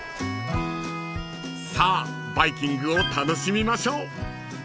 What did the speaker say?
［さあバイキングを楽しみましょう］